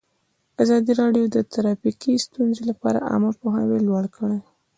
ازادي راډیو د ټرافیکي ستونزې لپاره عامه پوهاوي لوړ کړی.